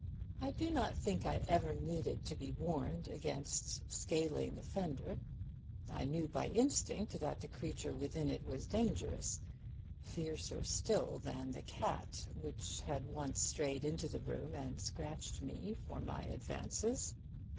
I do not think I ever needed to be warned against scaling the fender. I knew by instinct that the creature within it was dangerous fiercer still than the cat which had once strayed into the room and scratched me for my advances.